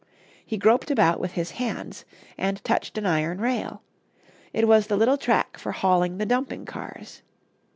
He groped about with his hands, and touched an iron rail; it was the little track for hauling the dumping cars.